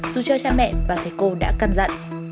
dù cho cha mẹ và thầy cô đã căn dặn